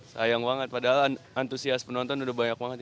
sayang banget padahal antusias penonton udah banyak banget